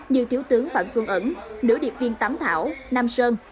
như thiếu tướng phạm xuân ẩn nữ điệp viên tám thảo nam sơn